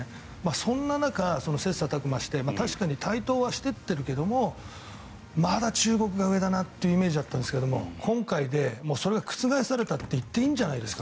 そんな中、切磋琢磨して確かに台頭はしていってるけどまだ中国が上だなってイメージがあったんですけど今回でそれが覆されたって言っていいんじゃないですか。